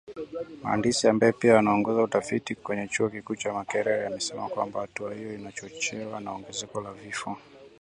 Mhandisi ambaye pia anaongoza utafiti kwenye chuo kikuu cha Makerere amesema kwamba hatua hiyo imechochewa na ongezeko la vifo